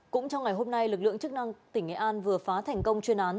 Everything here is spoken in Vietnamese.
cũng trong ngày hôm nay lực lượng chức năng tỉnh nghệ an vừa phá thành công chuyên án